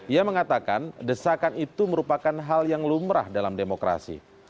ia mengatakan desakan itu merupakan hal yang lumrah dalam demokrasi